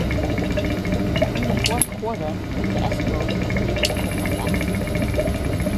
In the fourth quarter, the Eskimos completed the comeback.